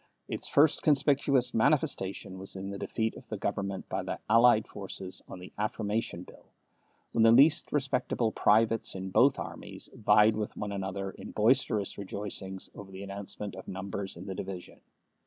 Its first conspicuous manifestation was in the defeat of the Government by the allied forces on the Affirmation Bill, when the least respectable privates in both armies vied with one another in boisterous rejoicings over the announcement of numbers in the division.